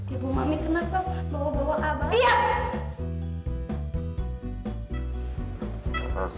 ibu mami kenapa bawa bawa abang